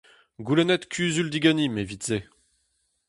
Goulennit kuzul diganimp evit se.